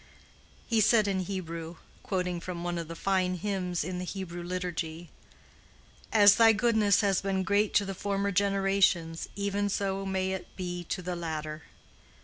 He said in Hebrew, quoting from one of the fine hymns in the Hebrew liturgy, "As thy goodness has been great to the former generations, even so may it be to the latter."